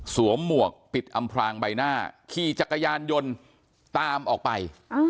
หมวกปิดอำพลางใบหน้าขี่จักรยานยนต์ตามออกไป